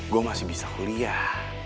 gue masih bisa kuliah